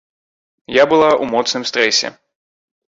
Я была ў моцным стрэсе.